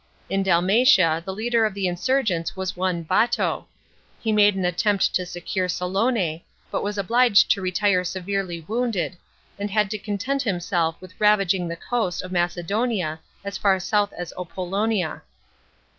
In Dalmatia the leader of the insurgents was one Bato. He made an attempt to capture Salonse, but was obliged to retire severely wounded, and had to content himself with ravaging the coast of Macedonia as far south as Apollonia.